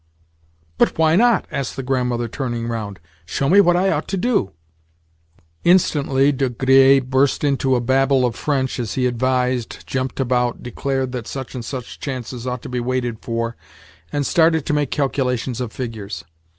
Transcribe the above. "But why not?" asked the Grandmother, turning round. "Show me what I ought to do." Instantly De Griers burst into a babble of French as he advised, jumped about, declared that such and such chances ought to be waited for, and started to make calculations of figures.